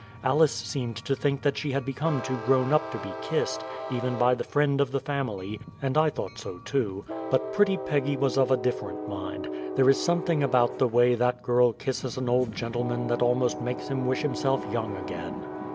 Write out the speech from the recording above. Alice seemed to think that she had become too grown up to be kissed, even by the friend of the family; and I thought so, too. But pretty Peggy was of a different mind. There is something about the way that girl kisses an old gentleman that almost makes him wish himself young again.